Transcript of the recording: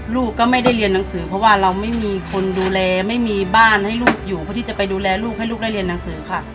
ลูกก็ไม่ได้เรียนหนังสือเพราะว่าเราไม่มีคนดูแลไม่มีบ้านให้ลูกอยู่เพื่อที่จะไปดูแลลูกให้ลูกได้เรียนหนังสือค่ะ